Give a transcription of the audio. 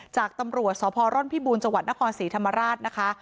จากตำรวจสพรพิบูลจนศศรีธรรมราชนะคะ